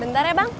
bentar ya bang